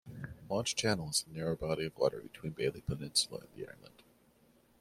Launch Channel is the narrow body of water between Bailey Peninsula and the island.